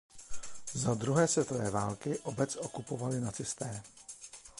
Za druhé světové války obec okupovali nacisté.